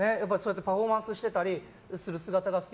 パフォーマンスしてたりする姿が好き。